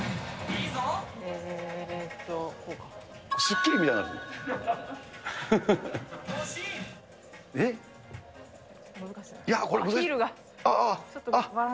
スッキリみたいになってる。